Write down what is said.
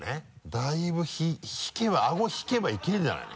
だいぶ引けばアゴ引けばいけるんじゃないの？